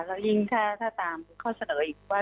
และยิ่งแค่ถ้าตามเขาเสนออีกว่า